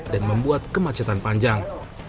dan membuat kemacetan panjang